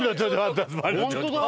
本当だ！